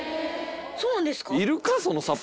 そうなんですか？